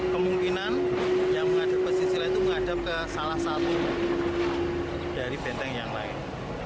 kemungkinan yang menghadap ke sisi lain itu menghadap ke salah satu dari benteng yang lain